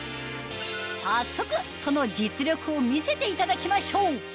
早速その実力を見せていただきましょう